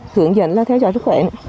hướng dẫn là theo dõi sức khỏe